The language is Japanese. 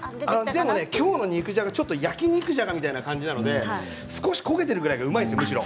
でも今日は肉じゃがが焼き肉じゃがみたいな感じなので少し焦げているぐらいがうまいんですよ、むしろ。